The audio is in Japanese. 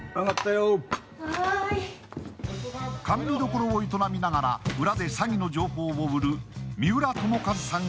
甘味どころを営みながら、裏で詐欺の情報を売る三浦友和さん